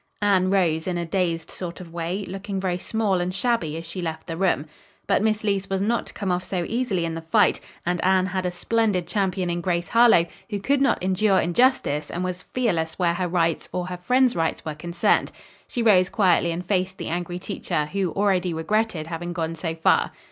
Anne rose in a dazed sort of way, looking very small and shabby as she left the room. But Miss Leece was not to come off so easily in the fight, and Anne had a splendid champion in Grace Harlowe, who could not endure injustice and was fearless where her rights or her friends' rights were concerned. She rose quietly and faced the angry teacher, who already regretted having gone so far.